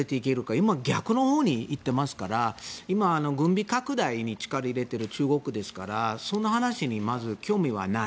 今、逆のほうに行っていますから今、軍備拡大に力を入れている中国ですからその話にまず興味はない。